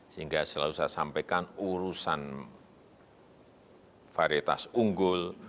sehingga selalu saya sampaikan urusan varietas unggul